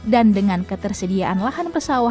dan dengan ketersediaan lahan perubahan iklim